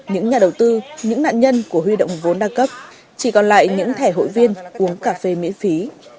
những nhà đầu tư những nạn nhân của huy động vốn đa cấp chỉ còn lại những thẻ hội viên uống cà phê miễn phí